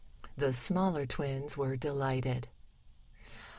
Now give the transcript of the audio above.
The smaller twins were delighted.